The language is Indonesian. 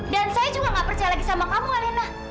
dan saya juga tidak percaya lagi sama kamu alina